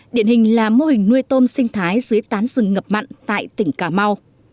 điển hình là mô hình nuôi tôm sinh thái dưới tán rừng ngập mặn tại tỉnh cà mau